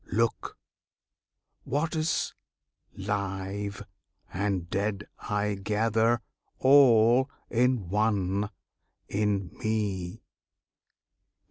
Look! what is live and dead I gather all in one in Me!